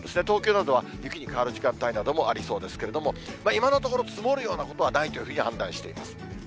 東京などは雪に変わる時間帯などもありそうですけれども、今のところ、積もるようなことはないというふうに判断しています。